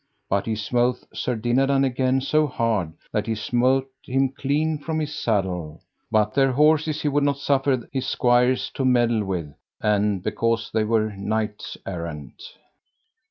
But he smote Sir Dinadan again so hard that he smote him clean from his saddle; but their horses he would not suffer his squires to meddle with, and because they were knights errant.